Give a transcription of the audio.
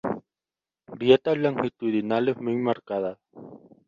Grietas longitudinales muy marcadas.